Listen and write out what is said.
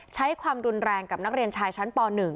ใช้ความรุนแรงกับนักเรียนชายชั้นป๑